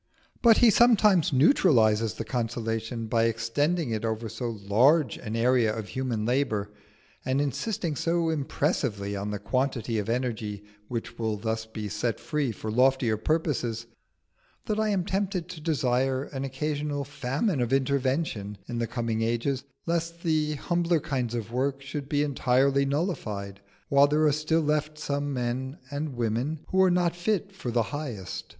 But he sometimes neutralises the consolation by extending it over so large an area of human labour, and insisting so impressively on the quantity of energy which will thus be set free for loftier purposes, that I am tempted to desire an occasional famine of invention in the coming ages, lest the humbler kinds of work should be entirely nullified while there are still left some men and women who are not fit for the highest.